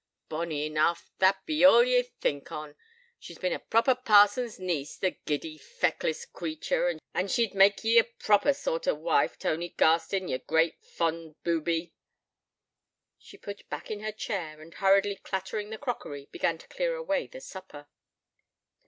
Bonny enough that be all ye think on. She's bin a proper parson's niece the giddy, feckless creature, an she'd mak' ye a proper sort o' wife, Tony Garstin, ye great, fond booby.' She pushed back her chair, and, hurriedly clattering the crockery, began to clear away the supper.